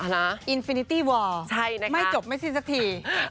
อ๋อล่ะอินฟินิตี้วอร์ไม่จบไม่สิ้นสักทีใช่นะคะ